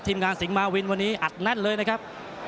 งานสิงหมาวินวันนี้อัดแน่นเลยนะครับ